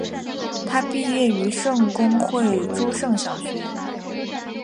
他毕业于圣公会诸圣小学。